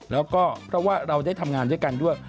แล้วก็เพราะว่าเราได้ทำงานด้วยกันด้วย